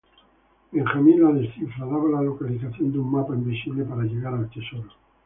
Benjamin la descifra: daba la localización de un mapa invisible para llegar al tesoro.